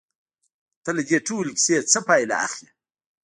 ته له دې ټولې کيسې څه پايله اخلې؟